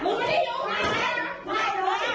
มึงไม่ได้ยุ่งอย่างไร